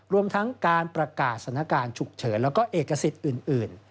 รวมทั้งการประกาศสถานการณ์ฉุกเฉินแล้วก็เอกสิทธิ์อื่น